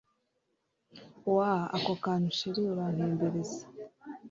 woowww ako kantu chr urantembereza